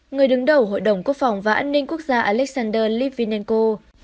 người đứng đầu hội đồng quốc phòng và an ninh quốc gia alexander lithienko